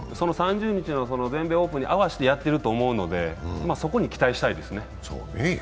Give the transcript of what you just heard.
３０日の全米オープンに合わせてやっていると思うので、そこに期待したいですね。